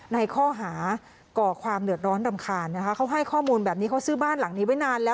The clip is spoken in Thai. ในข้อหาก่อความเดือดร้อนรำคาญนะคะเขาให้ข้อมูลแบบนี้เขาซื้อบ้านหลังนี้ไว้นานแล้ว